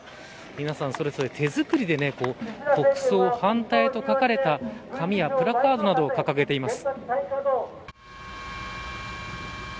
皆さん、それぞれ手作りで国葬反対と書かれた紙やプラカードなどを掲げています。